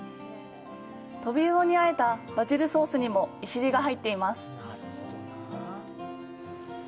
トビウオにあえたバジルソースにも“いしり”が入っています。